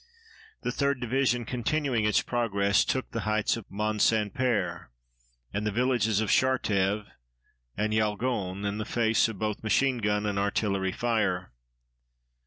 The 3d Division, continuing its progress, took the heights of Mont St. Père and the villages of Chartèves and Jaulgonne in the face of both machine gun and artillery fire.